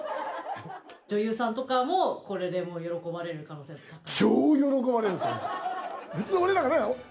女優さんとかもこれで喜ばれる可能性が高い？